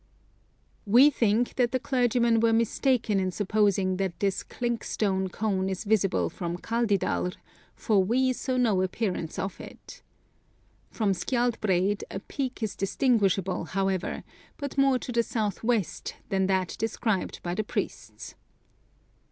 We think that the clergymen were mistaken in supposing that this clink stone cone is visible from Kaldidalr, for we saw no appearance of it. From Skjaldbreid a peak is distinguishable, however, but more to the south west than that described by the priests.